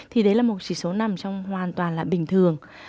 thì đấy là một chỉ số nằm trong hoàn toàn là bình thường